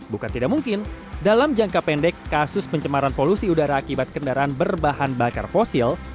bukan tidak mungkin dalam jangka pendek kasus pencemaran polusi udara akibat kendaraan berbahan bakar fosil